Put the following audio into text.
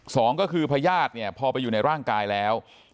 สองก็คือพญาติเนี่ยพอไปอยู่ในร่างกายแล้ว